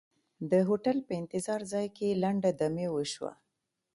د هوټل په انتظار ځای کې لنډه دمې وشوه.